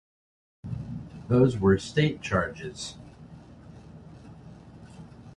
Those were state charges.